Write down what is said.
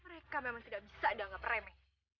iya kemarin saya tersedia mimpi